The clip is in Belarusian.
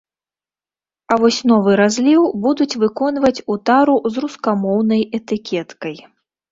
А вось новы разліў будуць выконваць у тару з рускамоўнай этыкеткай.